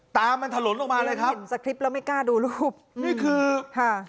ตามันถลนออกมาเลยครับเห็นสคริปต์แล้วไม่กล้าดูรูปนี่คือค่ะ